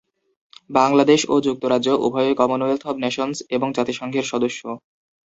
বাংলাদেশ ও যুক্তরাজ্য উভয়ই কমনওয়েলথ অব নেশনস এবং জাতিসংঘের সদস্য।